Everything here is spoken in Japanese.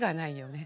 ね